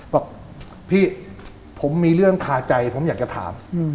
บอกพี่ผมมีเรื่องคาใจผมอยากจะถาม